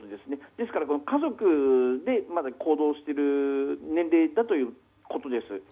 ですから家族で行動する年齢だということです。